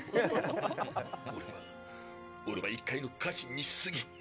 俺は俺は一介の家臣にすぎん。